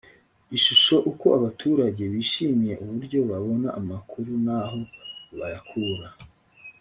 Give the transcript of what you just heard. ishusho uko abaturage bishimiye uburyo babona amakuru n aho bayakura